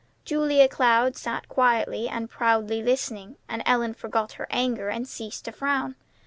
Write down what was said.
Julia Cloud sat quietly and proudly listening; and Ellen forgot her anger, and ceased to frown.